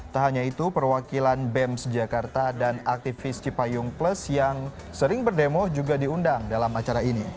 tak hanya itu perwakilan bems jakarta dan aktivis cipayung plus yang sering berdemo juga diundang dalam acara ini